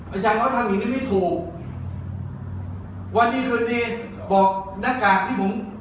อาจารย์เขาทำอย่างงี้ไม่ถูกวันนี้พอดีบอกหน้ากากที่ผม